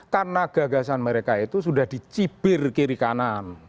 karena gagasan mereka itu sudah dicipir kiri kanan